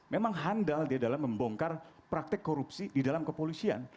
memang handal dia dalam membongkar praktek korupsi di dalam kepolisian